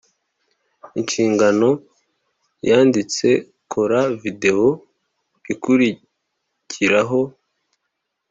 inshingano, yanditse kora videwo ikurikiraaho